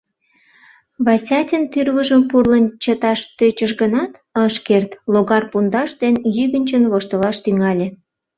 Васятин тӱрвыжым пурлын чыташ тӧчыш гынат, ыш керт — логар пундаш ден йӱгынчын воштылаш тӱҥале.